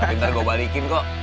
tapi ntar gua balikin kok